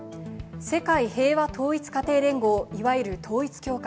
世界平和統一家庭連合、いわゆる統一教会。